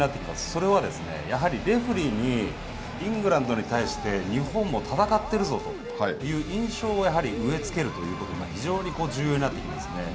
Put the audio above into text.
それは、やはりレフリーにイングランドに対して、日本も戦っているぞという印象をやはり植えつけるということが、非常に重要になってきますね。